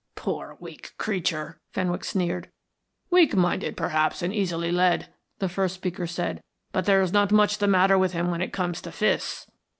"Poor weak creature," Fenwick sneered. "Weak minded, perhaps, and easily led," the first speaker said. "But there is not much the matter with him when it comes to fists."